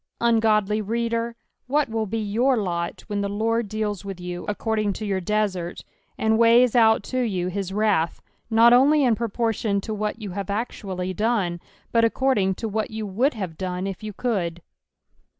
Ungodly reader, what will be your lot when the Lord eals with you according to your desert, and weighs out to you his wrath, not only in proportion to what you have actually dune, but according to what you would have done if you could.